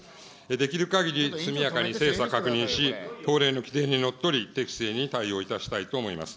できるかぎり速やかに精査、確認し、法令の規定にのっとり、適正に対応いたしたいと思います。